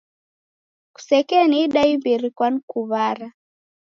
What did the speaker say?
Kusekeniidia imbiri kwanikuw'ara.